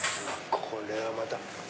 これはまた。